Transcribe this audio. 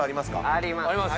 あります。